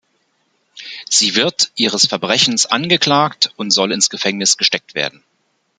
Sie wird ihres Verbrechens angeklagt und soll ins Gefängnis gesteckt werden.